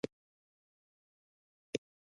نور افریقایي هېوادونه برعکس پر شا لاړل.